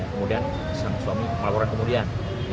kemudian sang suami melaporkan kemudian